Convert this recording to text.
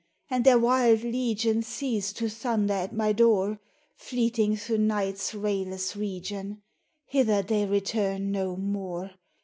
— and their wild legion Cease to thunder at my door ; Fleeting through night's rayless region, Hither they return no more.